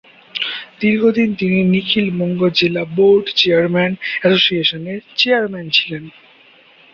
দীর্ঘদিন তিনি নিখিল বঙ্গ জেলা বোর্ড চেয়ারম্যান এসোসিয়েশনের চেয়ারম্যান ছিলেন।